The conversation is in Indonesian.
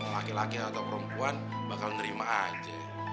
laki laki atau perempuan bakal nerima aja